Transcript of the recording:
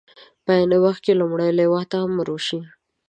په عین وخت کې لومړۍ لواء ته امر وشي.